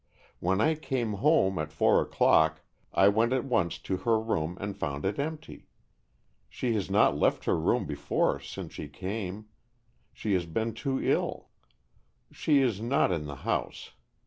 When I came home, at four o'clock, I went at once to her room, and found it empty. She has not left her room before since she came, she has been too ill. She is not in the house.